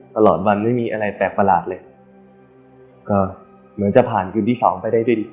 ตลอดวันไม่มีอะไรแปลกประหลาดเลยก็เหมือนจะผ่านคืนที่สองไปได้ด้วยดี